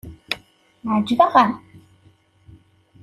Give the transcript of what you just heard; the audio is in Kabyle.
Ɛejbeɣ-am.